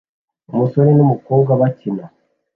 Umusore n'umukobwa bakina